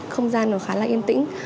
không gian nó khá là yên tĩnh